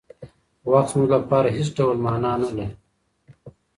وخت زموږ لپاره هېڅ ډول مانا نهلري.